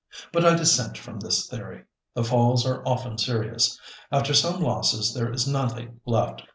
But I dissent from this theory. The falls are often serious; after some losses there is nothing left.